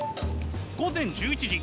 午前１１時。